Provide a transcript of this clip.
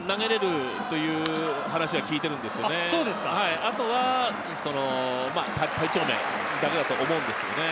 投げられるという話は聞いているんですが、あとは体調面だけだと思うんです。